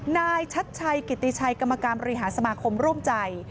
นายชัดชัยกิติชัยกรรมการบริหารสมาคมร่วมใจ